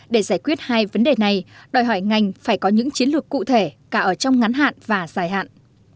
để giải quyết hai vấn đề này đòi hỏi ngành phải có những chiến lược cụ thể cả ở trong ngắn hạn và dài hạn